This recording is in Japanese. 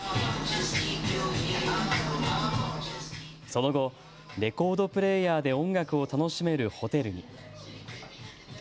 その後、レコードプレーヤーで音楽を楽しめるホテルに。